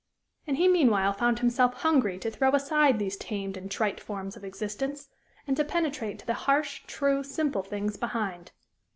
And he meanwhile found himself hungry to throw aside these tamed and trite forms of existence, and to penetrate to the harsh, true, simple things behind.